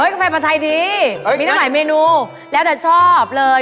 กาแฟผัดไทยดีมีตั้งหลายเมนูแล้วแต่ชอบเลย